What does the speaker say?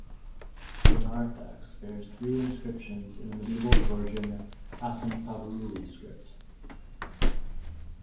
The narthex bears three inscriptions in the medieval Georgian "asomtavruli" script.